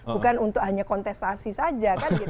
bukan untuk hanya kontestasi saja